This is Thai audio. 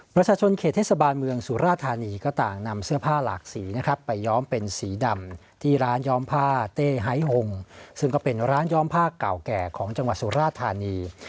ประชาชนเขตเทศบาลเมืองสุราธานีก็ต่างนำเสื้อผ้าหลากสีนะครับไปย้อมเป็นสีดำที่ร้านย้อมผ้าเต้ไฮหงซึ่งก็เป็นร้านย้อมผ้าเก่าแก่ของจังหวัดสุราธานี